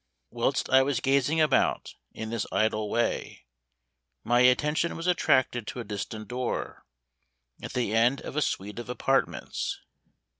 Whilst I was gazing about in this idle way, my attention was attracted to a distant door, at the end of a suite of apartments.